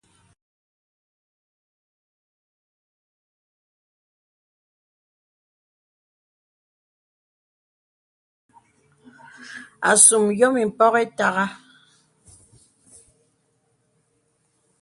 Asùm yòm ìpɔk ìtàgà.